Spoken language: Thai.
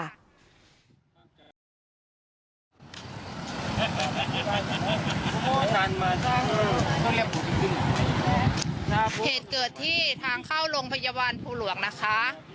เหตุเกิดที่ทางเข้าโรงพยาบาลภูหลวงนะคะ